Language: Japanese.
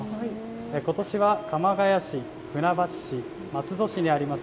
ことしは鎌ケ谷市、船橋市、松戸市にあります